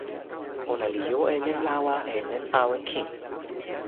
ona li jo e len lawa e len awen kin.